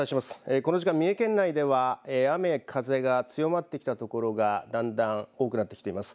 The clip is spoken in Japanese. この時間、三重県内では雨風が強まってきたところがだんだん多くなってきています。